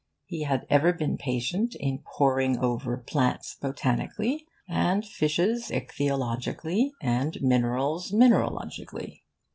He had ever been patient in poring over plants botanically, and fishes ichthyologically, and minerals mineralogically.